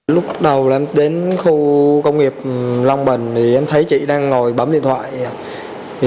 lúc bắt đầu em đến khu công nghiệp long bình thì em thấy chị đang ngồi bấm điện thoại